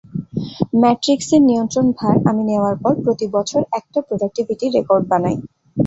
ম্যাট্রিক্সের নিয়ন্ত্রণভার আমি নেওয়ার পর প্রতি বছর একটা প্রোডাক্টিভি রেকর্ড বানাই।